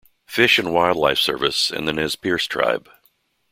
Fish and Wildlife Service and the Nez Perce Tribe.